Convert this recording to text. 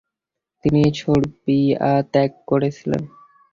তিনি সার্বিয়া ত্যাগ করেছিলেন।